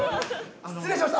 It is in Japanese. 失礼しました。